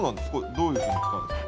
どういうふうに使うんですか？